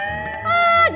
eh gimana sih akang